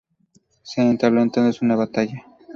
Se entabló entonces una batalla.